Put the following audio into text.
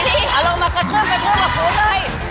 เอาลงมากระเทือกกระเทือกกับนู้นเลย